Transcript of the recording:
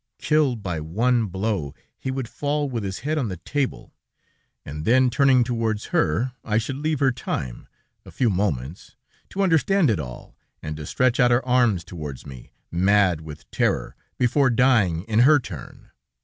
Killed by one blow, he would fall with his head on the table, and then, turning towards her, I should leave her time a few moments to understand it all and to stretch out her arms towards me, mad with terror, before dying in her turn.